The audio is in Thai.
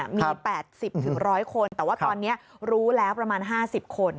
มี๘๐๑๐๐คนแต่ว่าตอนนี้รู้แล้วประมาณ๕๐คน